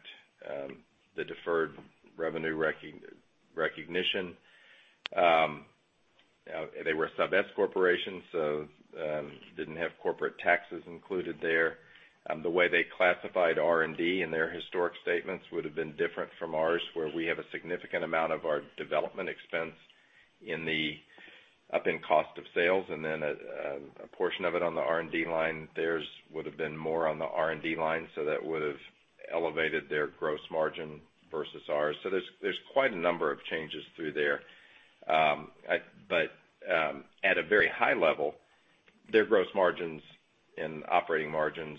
the deferred revenue recognition. They were a Subchapter S corporation, so didn't have corporate taxes included there. The way they classified R&D in their historic statements would've been different from ours, where we have a significant amount of our development expense up in cost of sales, and then a portion of it on the R&D line. Theirs would've been more on the R&D line, so that would've elevated their gross margin versus ours. There's quite a number of changes through there. At a very high level, their gross margins and operating margins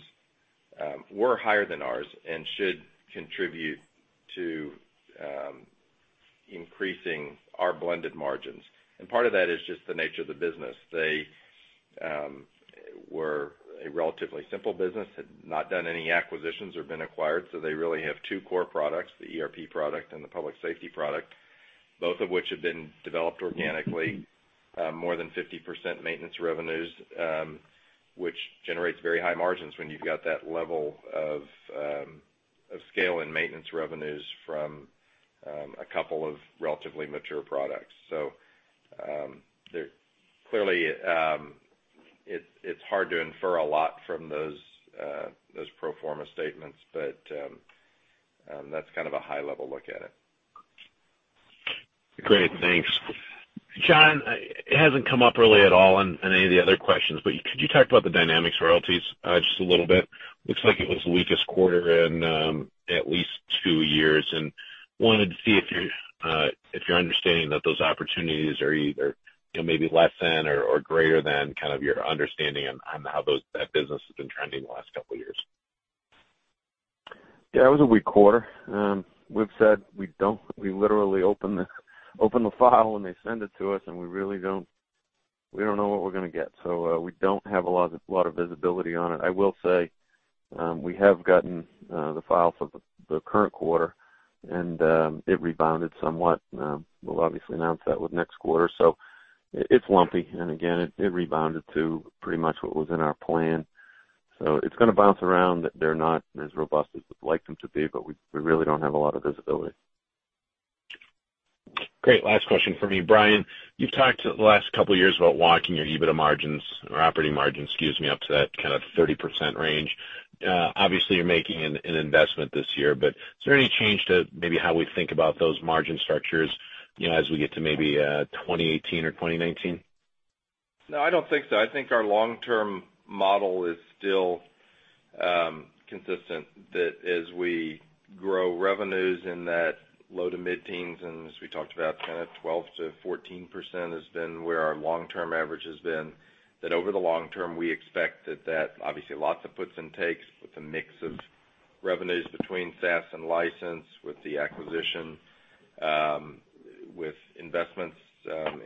were higher than ours and should contribute to increasing our blended margins. Part of that is just the nature of the business. They were a relatively simple business, had not done any acquisitions or been acquired. They really have two core products, the ERP product and the public safety product, both of which have been developed organically. More than 50% maintenance revenues, which generates very high margins when you've got that level of scale in maintenance revenues from a couple of relatively mature products. Clearly, it's hard to infer a lot from those pro forma statements, but that's a high-level look at it. Great, thanks. John, it hasn't come up really at all in any of the other questions, but could you talk about the Dynamics royalties just a little bit? Looks like it was the weakest quarter in at least two years, and wanted to see if you're understanding that those opportunities are either maybe less than or greater than your understanding on how that business has been trending the last couple of years. It was a weak quarter. We've said we literally open the file when they send it to us, and we don't know what we're gonna get. We don't have a lot of visibility on it. I will say, we have gotten the file for the current quarter, and it rebounded somewhat. We'll obviously announce that with next quarter. It's lumpy, and again, it rebounded to pretty much what was in our plan. It's gonna bounce around. They're not as robust as we'd like them to be, but we really don't have a lot of visibility. Great. Last question from me. Brian, you've talked the last couple years about walking your EBITDA margins or operating margins, excuse me, up to that 30% range. Obviously, you're making an investment this year, is there any change to maybe how we think about those margin structures as we get to maybe 2018 or 2019? No, I don't think so. I think our long-term model is still consistent, that as we grow revenues in that low to mid-teens, as we talked about, 12%-14% has been where our long-term average has been, that over the long term, we expect that obviously, lots of puts and takes with the mix of revenues between SaaS and license with the acquisition. With investments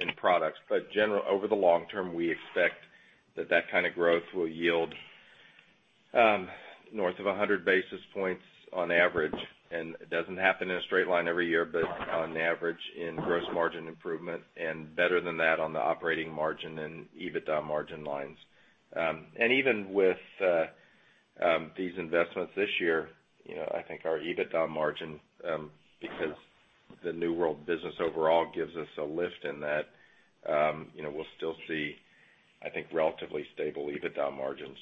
in products. Over the long term, we expect that kind of growth will yield north of 100 basis points on average, it doesn't happen in a straight line every year, on average in gross margin improvement and better than that on the operating margin and EBITDA margin lines. Even with these investments this year, I think our EBITDA margin, because the New World business overall gives us a lift in that, we'll still see, I think, relatively stable EBITDA margins,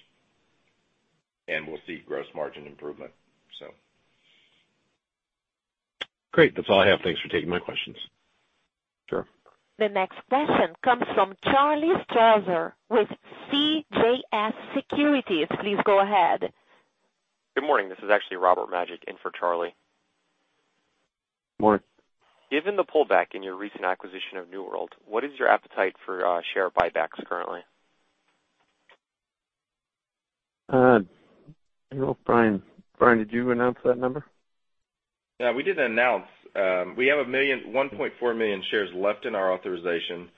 and we'll see gross margin improvement. Great. That's all I have. Thanks for taking my questions. Sure. The next question comes from Charlie Strauser with CJS Securities. Please go ahead. Good morning. This is actually Robert Majek in for Charlie. Morning. Given the pullback in your recent acquisition of New World, what is your appetite for share buybacks currently? I don't know, Brian. Brian, did you announce that number? We did announce. We have 1.4 million shares left in our authorization.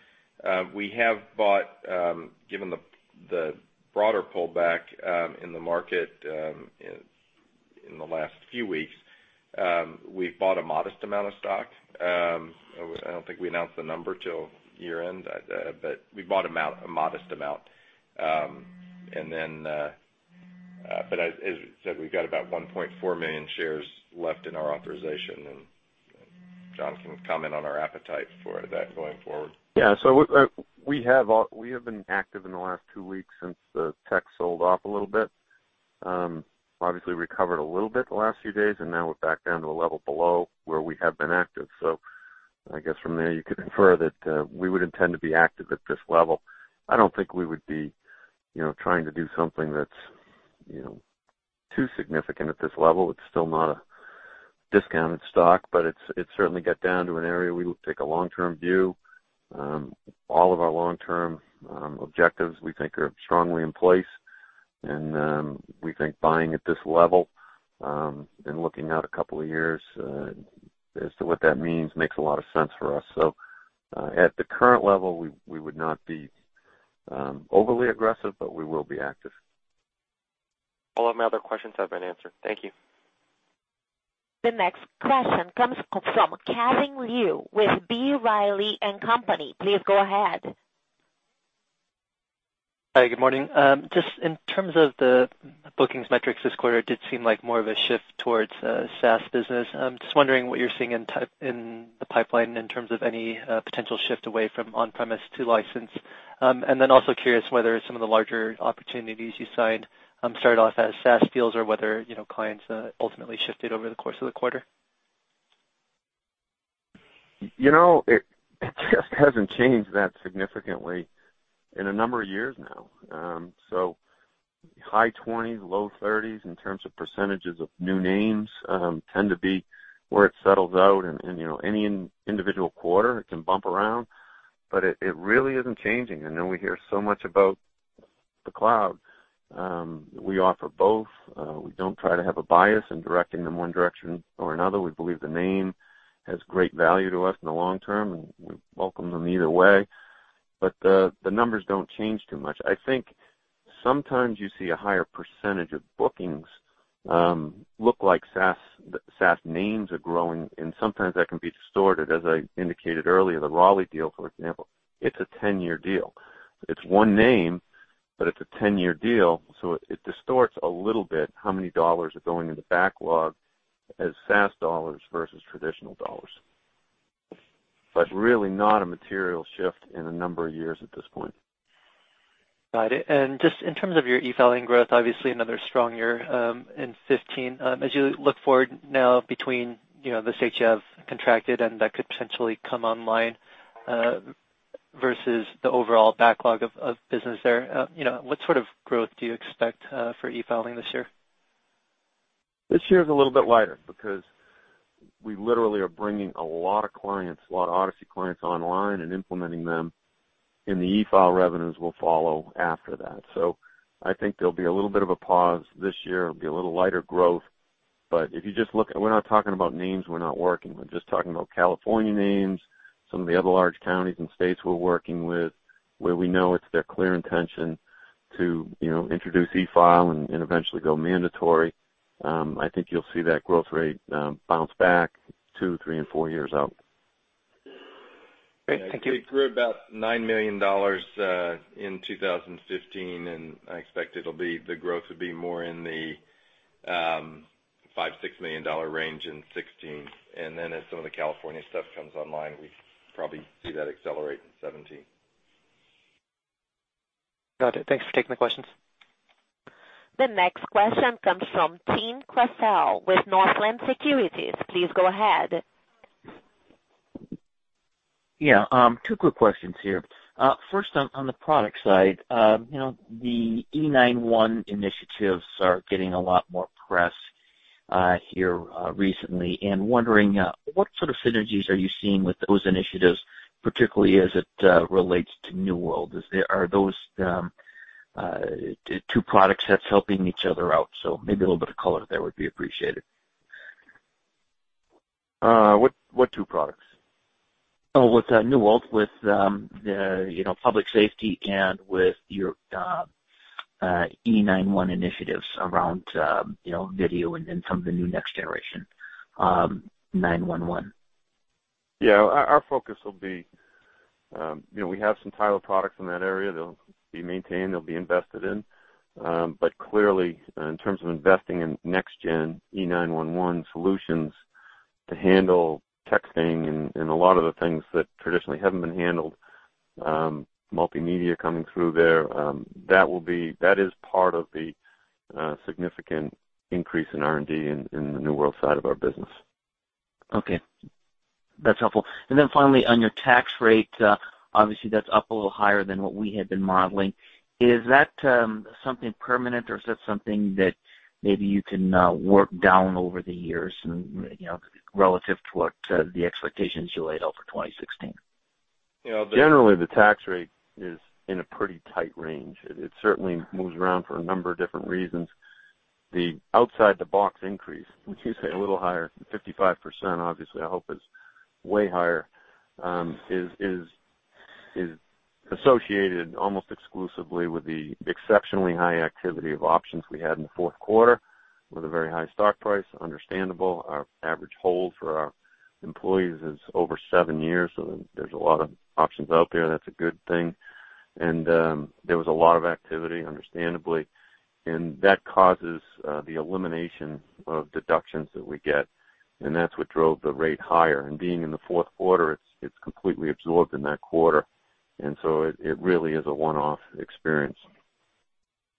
Given the broader pullback in the market in the last few weeks, we've bought a modest amount of stock. I don't think we announced the number till year-end, but we bought a modest amount. As we said, we've got about 1.4 million shares left in our authorization, and John can comment on our appetite for that going forward. We have been active in the last two weeks since the tech sold off a little bit. Obviously recovered a little bit the last few days, and now we're back down to a level below where we have been active. I guess from there you could infer that we would intend to be active at this level. I don't think we would be trying to do something that's too significant at this level. It's still not a discounted stock, but it's certainly got down to an area we will take a long-term view. All of our long-term objectives, we think, are strongly in place, and we think buying at this level, and looking out a couple of years as to what that means, makes a lot of sense for us. At the current level, we would not be overly aggressive, but we will be active. All of my other questions have been answered. Thank you. The next question comes from Kevin Liu with B. Riley & Company. Please go ahead. Hi, good morning. Just in terms of the bookings metrics this quarter, it did seem like more of a shift towards a SaaS business. I'm just wondering what you're seeing in the pipeline in terms of any potential shift away from on-premise to license. Also curious whether some of the larger opportunities you signed started off as SaaS deals or whether clients ultimately shifted over the course of the quarter. It just hasn't changed that significantly in a number of years now. High 20s, low 30s in terms of % of new names tend to be where it settles out, and any individual quarter, it can bump around, but it really isn't changing. I know we hear so much about the cloud. We offer both. We don't try to have a bias in directing them one direction or another. We believe the name has great value to us in the long term, and we welcome them either way. The numbers don't change too much. I think sometimes you see a higher % of bookings look like SaaS names are growing, and sometimes that can be distorted. As I indicated earlier, the Raleigh deal, for example. It's a 10-year deal. It's one name, but it's a 10-year deal, so it distorts a little bit how many dollars are going in the backlog as SaaS dollars versus traditional dollars. Really not a material shift in a number of years at this point. Got it. In terms of your eFile growth, obviously another strong year in 2015. As you look forward now between the states you have contracted and that could potentially come online versus the overall backlog of business there, what sort of growth do you expect for eFile this year? This year is a little bit lighter because we literally are bringing a lot of clients, a lot of Odyssey clients online and implementing them, and the eFile revenues will follow after that. I think there'll be a little bit of a pause this year. It'll be a little lighter growth. We're not talking about names we're not working with, just talking about California names, some of the other large counties and states we're working with where we know it's their clear intention to introduce eFile and eventually go mandatory. I think you'll see that growth rate bounce back two, three, and four years out. Great. Thank you. It grew about $9 million in 2015, and I expect the growth would be more in the $5, $6 million range in 2016. As some of the California stuff comes online, we probably see that accelerate in 2017. Got it. Thanks for taking the questions. The next question comes from Tim Croissant with Northland Securities. Please go ahead. Yeah. Two quick questions here. First on the product side. The E911 initiatives are getting a lot more press here recently, wondering what sort of synergies are you seeing with those initiatives, particularly as it relates to New World? Are those two products that's helping each other out. Maybe a little bit of color there would be appreciated. What two products? With New World, with public safety then with your E911 initiatives around video and some of the new Next Generation 911. Yeah. Our focus will be, we have some Tyler products in that area. They'll be maintained, they'll be invested in. Clearly, in terms of investing in Next Generation 911 solutions to handle texting and a lot of the things that traditionally haven't been handled, multimedia coming through there, that is part of the significant increase in R&D in the New World side of our business. Okay. That's helpful. Finally, on your tax rate, obviously that's up a little higher than what we had been modeling. Is that something permanent or is that something that maybe you can work down over the years and relative to what the expectations you laid out for 2016? Generally, the tax rate is in a pretty tight range. It certainly moves around for a number of different reasons. The outside the box increase, when you say a little higher, 55%, obviously, I hope is way higher, is associated almost exclusively with the exceptionally high activity of options we had in the fourth quarter with a very high stock price. Understandable. Our average hold for our employees is over seven years, so there's a lot of options out there. That's a good thing. There was a lot of activity, understandably, and that causes the elimination of deductions that we get, and that's what drove the rate higher. Being in the fourth quarter, it's completely absorbed in that quarter. So it really is a one-off experience.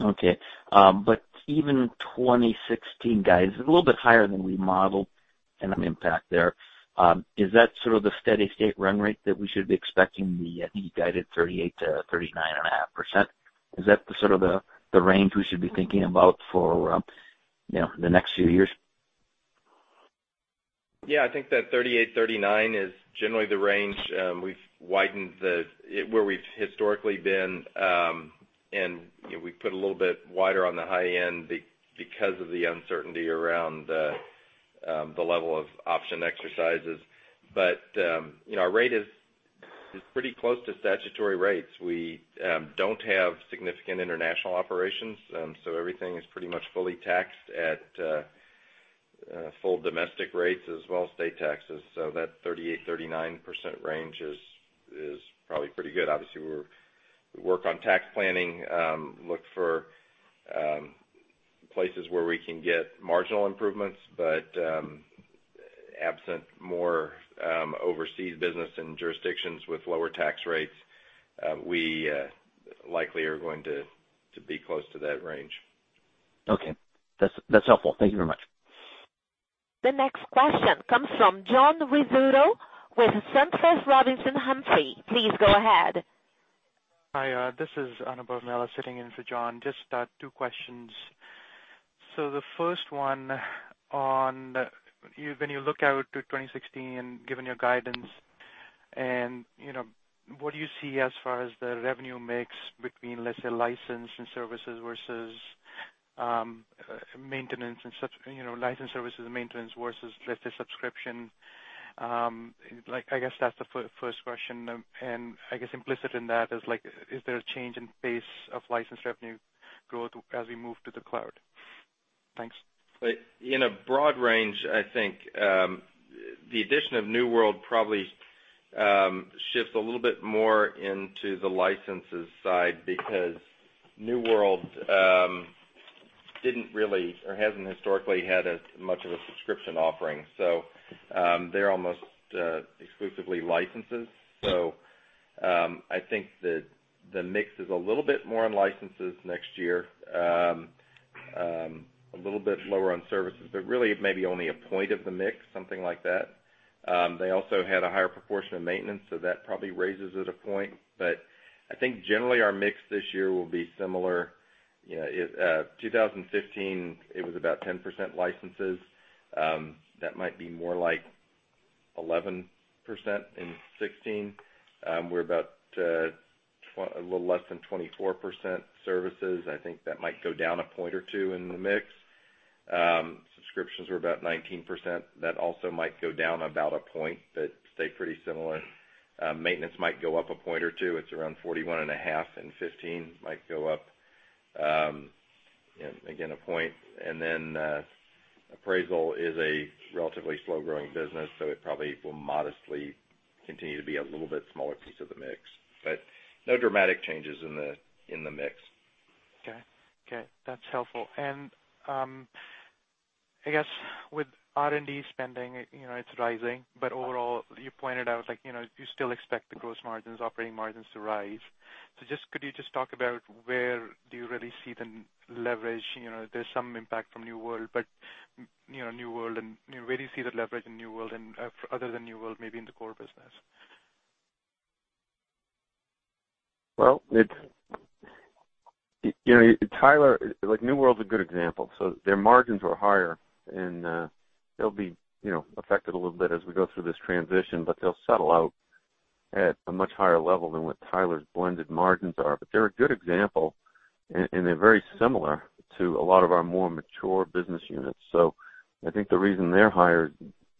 Okay. Even 2016 guides a little bit higher than we modeled an impact there. Is that sort of the steady state run rate that we should be expecting, I think you guided 38%-39.5%? Is that the sort of the range we should be thinking about for the next few years? I think that 38%, 39% is generally the range. We've widened where we've historically been. We've put a little bit wider on the high end because of the uncertainty around the level of option exercises. Our rate is pretty close to statutory rates. We don't have significant international operations. Everything is pretty much fully taxed at full domestic rates as well as state taxes. That 38%, 39% range is probably pretty good. Obviously, we work on tax planning, look for places where we can get marginal improvements, but absent more overseas business in jurisdictions with lower tax rates, we likely are going to be close to that range. Okay. That's helpful. Thank you very much. The next question comes from John Rizzuto with SunTrust Robinson Humphrey. Please go ahead. Hi, this is Anna Bonella sitting in for John. Just two questions. The first one on when you look out to 2016 and given your guidance, what do you see as far as the revenue mix between, let's say, license and services versus maintenance and such, license services and maintenance versus, let's say, subscription? I guess that's the first question. I guess implicit in that is like, is there a change in pace of license revenue growth as we move to the cloud? Thanks. In a broad range, I think, the addition of New World probably shifts a little bit more into the licenses side because New World didn't really or hasn't historically had as much of a subscription offering. They're almost exclusively licenses. I think that the mix is a little bit more on licenses next year, a little bit lower on services, but really maybe only a point of the mix, something like that. They also had a higher proportion of maintenance, so that probably raises it a point. I think generally our mix this year will be similar. 2015, it was about 10% licenses. That might be more like 11% in 2016. We're about a little less than 24% services. I think that might go down a point or two in the mix. Subscriptions were about 19%. That also might go down about a point, but stay pretty similar. Maintenance might go up a point or two. It's around 41.5% in 2015, might go up again a point. Appraisal is a relatively slow-growing business, so it probably will modestly continue to be a little bit smaller piece of the mix. No dramatic changes in the mix. Okay. That's helpful. I guess with R&D spending, it's rising, but overall, you pointed out you still expect the gross margins, operating margins to rise. Could you just talk about where do you really see the leverage? There's some impact from New World, but where do you see the leverage in New World and other than New World, maybe in the core business? Well, Tyler, like New World's a good example. Their margins are higher, and they'll be affected a little bit as we go through this transition, but they'll settle out at a much higher level than what Tyler's blended margins are. They're a good example, and they're very similar to a lot of our more mature business units. I think the reason they're higher,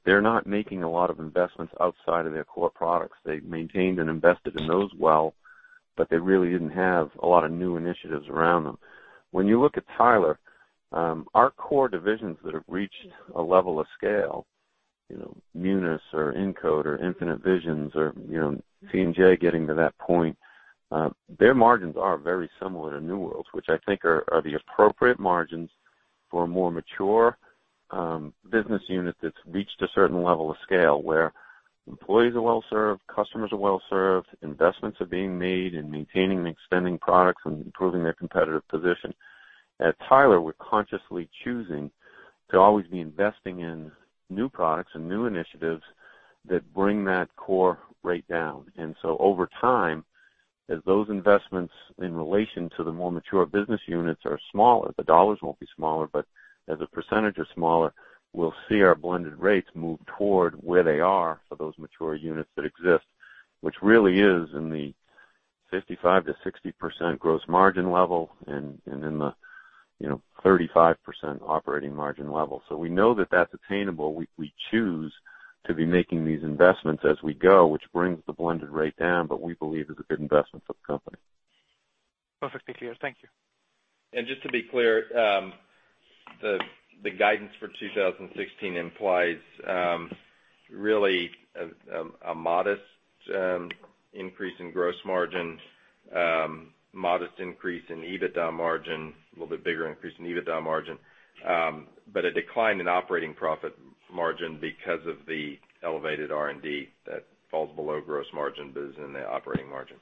they're not making a lot of investments outside of their core products. They maintained and invested in those well, but they really didn't have a lot of new initiatives around them. When you look at Tyler, our core divisions that have reached a level of scale, Munis or Incode or Infinite Visions or C&J getting to that point, their margins are very similar to New World's, which I think are the appropriate margins for a more mature business unit that's reached a certain level of scale where employees are well-served, customers are well-served, investments are being made in maintaining and extending products and improving their competitive position. At Tyler, we're consciously choosing to always be investing in new products and new initiatives that bring that core rate down. Over time, as those investments in relation to the more mature business units are smaller, the dollars won't be smaller, but as a percentage are smaller, we'll see our blended rates move toward where they are for those mature units that exist, which really is in the 55%-60% gross margin level and in the 35% operating margin level. We know that that's attainable. We choose to be making these investments as we go, which brings the blended rate down, but we believe is a good investment for the company. Perfectly clear. Thank you. Just to be clear, the guidance for 2016 implies really a modest increase in gross margin, modest increase in EBITDA margin, a little bit bigger increase in EBITDA margin, but a decline in operating profit margin because of the elevated R&D that falls below gross margin but is in the operating margin.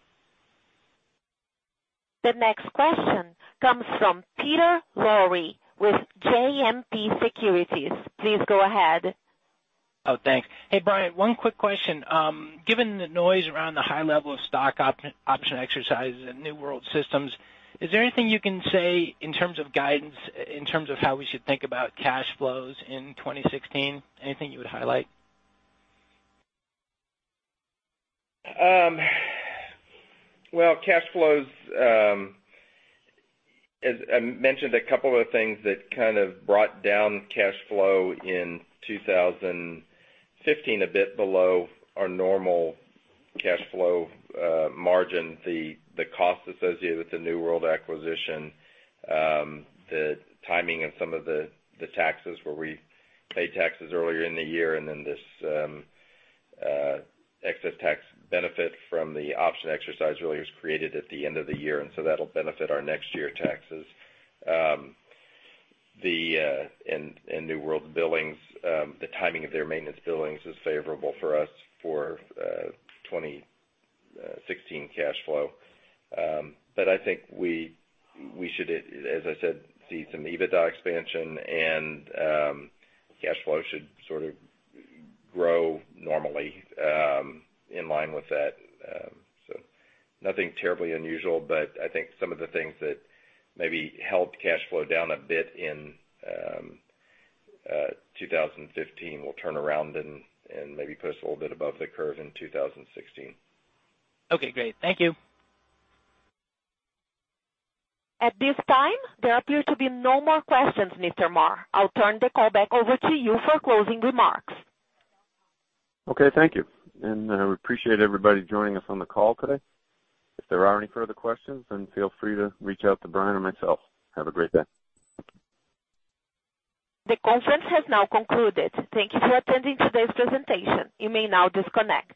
The next question comes from Peter Lowry with JMP Securities. Please go ahead. Oh, thanks. Hey, Brian, one quick question. Given the noise around the high level of stock option exercises at New World Systems, is there anything you can say in terms of guidance, in terms of how we should think about cash flows in 2016? Anything you would highlight? Well, cash flows, I mentioned a couple of things that kind of brought down cash flow in 2015 a bit below our normal cash flow margin. The cost associated with the New World acquisition, the timing of some of the taxes where we paid taxes earlier in the year, and then this excess tax benefit from the option exercise really was created at the end of the year, and so that'll benefit our next year taxes. New World billings, the timing of their maintenance billings is favorable for us for 2016 cash flow. I think we should, as I said, see some EBITDA expansion and cash flow should sort of grow normally in line with that. Nothing terribly unusual, but I think some of the things that maybe held cash flow down a bit in 2015 will turn around and maybe push a little bit above the curve in 2016. Okay, great. Thank you. At this time, there appear to be no more questions, Mr. Marr. I'll turn the call back over to you for closing remarks. Okay. Thank you. We appreciate everybody joining us on the call today. If there are any further questions, feel free to reach out to Brian or myself. Have a great day. The conference has now concluded. Thank you for attending today's presentation. You may now disconnect.